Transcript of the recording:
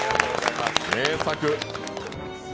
名作。